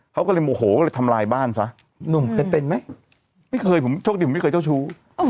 เขาก็เลยโมโหก็เลยทำลายบ้านซะหนุ่มเคยเป็นไหมไม่เคยผมโชคดีผมไม่เคยเจ้าชู้